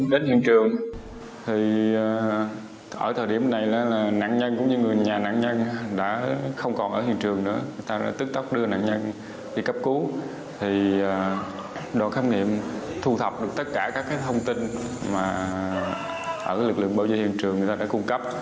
đoàn khám nghiệm thu thập được tất cả các thông tin mà lực lượng bảo vệ hiện trường đã cung cấp